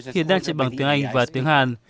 hiện đang trên bảng tiếng anh và tiếng hàn